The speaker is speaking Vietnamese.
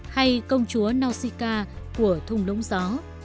hay công chúa nausicaa của thung lũng gió